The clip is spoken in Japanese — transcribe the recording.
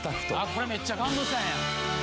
これめっちゃ感動したんや。